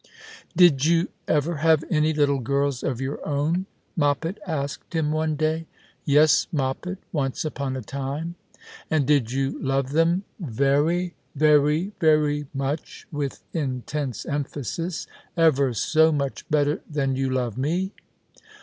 " Did you ever have any little girls of your own ?" Moppet asked him one day. " Yes, Moppet, once upon a time." " And did you love them veway, veway, veway much," with intense emphasis, " ever so much better than you love me